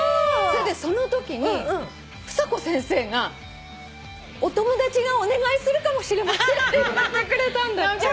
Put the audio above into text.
それでそのときにふさこ先生が「お友達がお願いするかもしれません」って言ってくれたんだって。